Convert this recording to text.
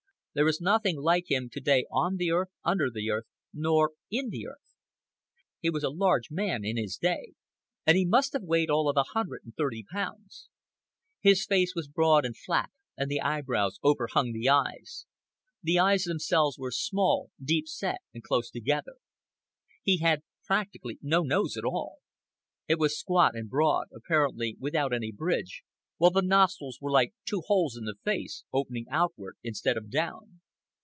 There is nothing like him to day on the earth, under the earth, nor in the earth. He was a large man in his day, and he must have weighed all of a hundred and thirty pounds. His face was broad and flat, and the eyebrows over hung the eyes. The eyes themselves were small, deep set, and close together. He had practically no nose at all. It was squat and broad, apparently without any bridge, while the nostrils were like two holes in the face, opening outward instead of down.